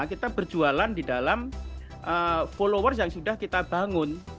kita berjualan di dalam followers yang sudah kita bangun